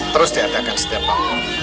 terus diadakan setiap tahun